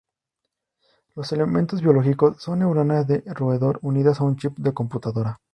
Los elementos biológicos son neuronas de roedor unidas a un chip de computadora.